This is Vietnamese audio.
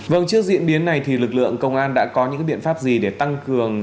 vâng trước diễn biến này thì lực lượng công an đã có những biện pháp gì để tăng cường